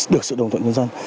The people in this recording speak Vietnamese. được sự đồng thuận nhân dân